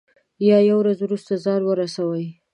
یا یوه ورځ وروسته ځان ورسوي.